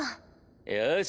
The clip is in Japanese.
よし。